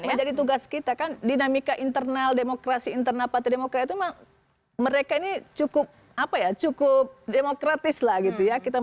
menjadi tugas kita kan dinamika internal demokrasi internal partai demokrat itu memang mereka ini cukup demokratis lah gitu ya